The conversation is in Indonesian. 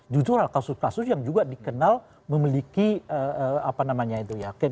jujurlah kasus kasus yang juga dikenal memiliki apa namanya itu ya